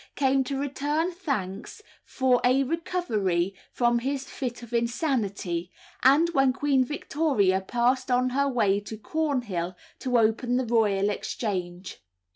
came to return thanks for a recovery from his fit of insanity, and when Queen Victoria passed on her way to Cornhill to open the Royal Exchange.